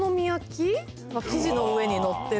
生地の上にのってる。